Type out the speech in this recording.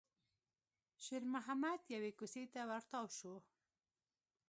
شېرمحمد يوې کوڅې ته ور تاو شو.